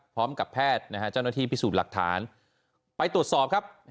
พร้อมกับแพทย์นะฮะเจ้าหน้าที่พิสูจน์หลักฐานไปตรวจสอบครับ